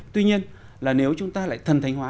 tuy nhiên là nếu chúng ta lại thần thanh hóa